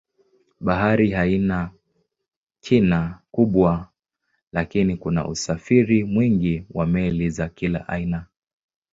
Bahari haina kina kubwa lakini kuna usafiri mwingi wa meli za kila aina.